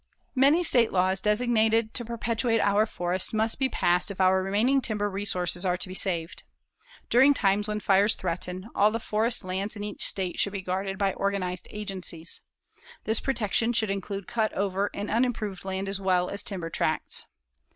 Many state laws designed to perpetuate our forests must be passed if our remaining timber resources are to be saved. During times when fires threaten, all the forest lands in each state should be guarded by organized agencies. This protection should include cut over and unimproved land as well as timber tracts.